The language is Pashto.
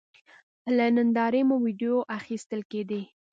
له نندارې مو وېډیو اخیستل کېدې.